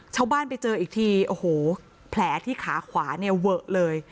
ชาวบ้านไปเจออีกทีโอ้โหแผลที่ขาขวาเนี่ยเวอะเลย